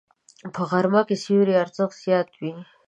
په غرمه کې د سیوري ارزښت زیات وي